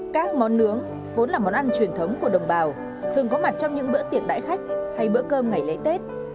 các món nướng vốn là món ăn truyền thống của đồng bào thường có mặt trong những bữa tiệc đại khách hay bữa cơm ngày lễ tết